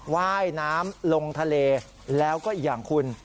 ว่ายน้ำลงทะเลแล้วก็อีกอย่างคุณ